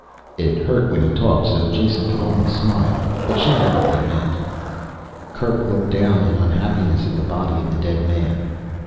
It hurt when he talked so Jason could only smile, but she knew what he meant. Kerk looked down in unhappiness at the body of the dead man.